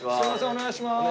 お願いします。